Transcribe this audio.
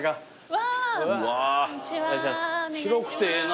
わあ広くてええな。